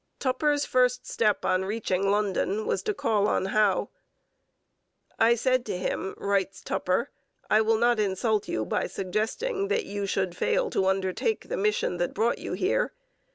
Tupper's first step on reaching London was to call on Howe. 'I said to him,' writes Tupper, 'I will not insult you by suggesting that you should fail to undertake the mission that brought you here.